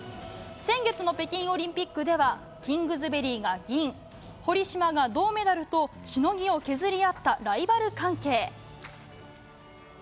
先月の北京オリンピックではキングズベリーが銀堀島が銅メダルとしのぎを削り合ったライバル関係。